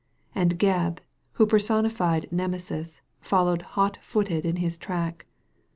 And Gebb, who personified Nemesis, followed hot footed in his track.